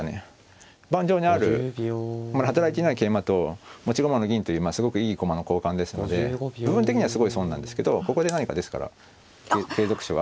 盤上にあるあんまり働いてない桂馬と持ち駒の銀というすごくいい駒の交換ですので部分的にはすごい損なんですけどここで何かですから継続手があると。